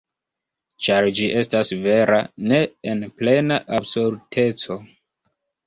Ĉar ĝi estas vera ne en plena absoluteco.